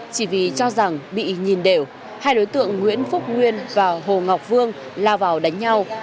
chỉ vì cho rằng bị nhìn đều hai đối tượng nguyễn phúc nguyên và hồ ngọc vương lao vào đánh nhau